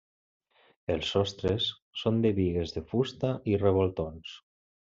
Els sostres són de bigues de fusta i revoltons.